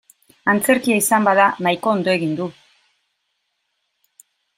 Antzerkia izan bada nahiko ondo egin du.